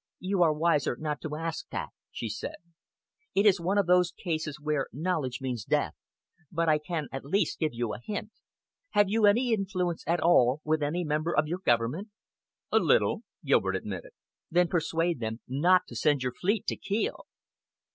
"You are wiser not to ask that" she said. "It is one of those cases where knowledge means death. But I can at least give you a hint. Have you any influence at all with any member of your government?" "A little" Gilbert admitted. "Then persuade them not to send your fleet to Kiel!"